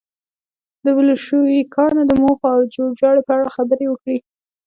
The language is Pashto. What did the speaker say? د بلشویکانو د موخو او جوړجاړي په اړه خبرې وکړي.